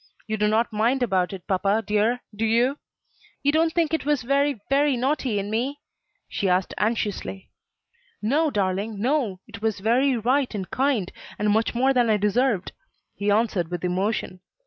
You do not mind about it, papa, dear, do you? You don't think it was very naughty in me?" she asked anxiously. "No, darling, no; it was very right and kind, and much more than I deserved," he answered with emotion.